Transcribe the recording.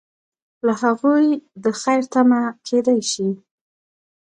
له هغوی د خیر تمه کیدای شي.